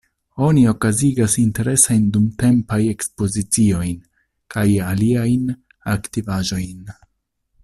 Oni okazigas interesajn dumtempajn ekspoziciojn kaj aliajn aktivaĵojn.